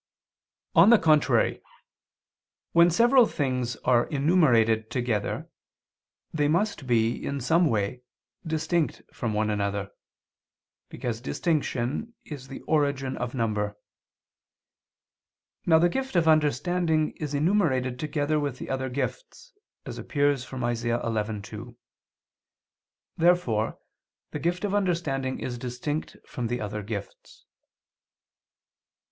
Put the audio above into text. On the contrary, When several things are enumerated together they must be, in some way, distinct from one another, because distinction is the origin of number. Now the gift of understanding is enumerated together with the other gifts, as appears from Isa. 11:2. Therefore the gift of understanding is distinct from the other gifts.